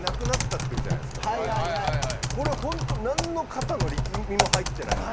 これホントなんの肩の力みも入ってない。